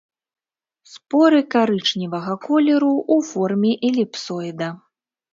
Споры карычневага колеру, у форме эліпсоіда.